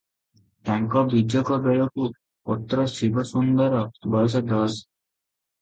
ତାଙ୍କ ବିଯୋଗ ବେଳକୁ ପୁତ୍ର ଶିବସୁନ୍ଦରର ବୟସ ଦଶ ।